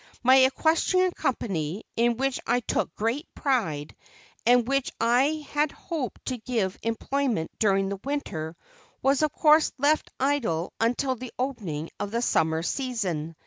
My equestrian company, in which I took great pride, and which I had hoped to give employment during the winter, was of course left idle until the opening of the summer season.